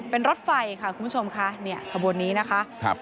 เป็นรถไฟค่ะคุณผู้ชมขบวนนี้นะคะ